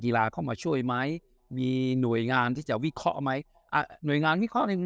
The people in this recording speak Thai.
เข้ามาช่วยไหมมีหน่วยงานที่จะวิเคราะห์ไหมอ่ะหน่วยงานวิเคราะห์หนึ่ง